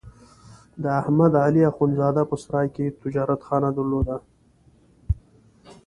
د احمد علي اخوندزاده په سرای کې تجارتخانه درلوده.